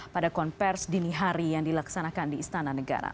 pada konversi dini hari yang dilaksanakan di istana negara